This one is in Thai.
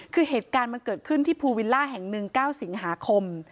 คือเหตุการณ์มันเกิดขึ้นที่ภูวิลล่าแห่ง๑๙สิงหาคม